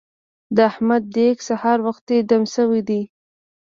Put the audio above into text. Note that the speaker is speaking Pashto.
د احمد دېګ سهار وخته دم شوی دی.